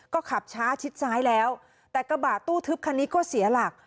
ก็ขับช้าชิดซ้ายแล้วแต่กระบะตู้ทึบคันนี้ก็เสียหลัก